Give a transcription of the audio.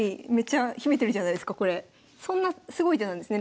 そんなすごい手なんですね